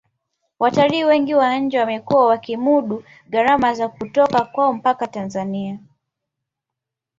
watalii wengi wa nje wamekuwa wakimudu gharama za kutoka kwao mpaka tanzania